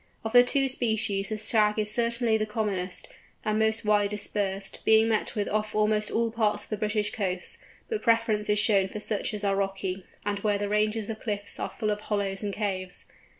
Of the two species the Shag is certainly the commonest and most widely dispersed, being met with off almost all parts of the British coasts, but preference is shown for such as are rocky, and where the ranges of cliffs are full of hollows and caves.